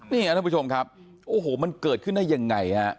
นี่ครับท่านผู้ชมครับโอ้โหมันเกิดขึ้นได้ยังไงฮะ